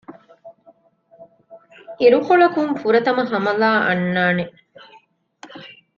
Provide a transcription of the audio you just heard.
އިރުކޮޅަކުން ފުރަތަމަަ ހަމަލާ އަންނާނެ